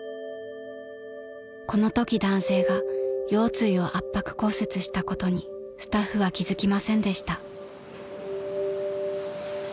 ［このとき男性が腰椎を圧迫骨折したことにスタッフは気付きませんでした］